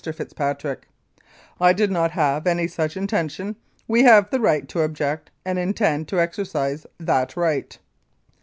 FITZPATRICK: I did not have any such inten tion. We have the right to object, and intend to exercise that right.